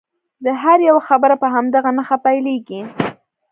د هر یوه خبره په همدغه نښه پیلیږي.